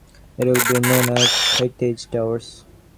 It will be known as Heritage Towers.